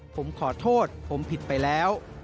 ผมขอโทษผมผิดไปแล้ว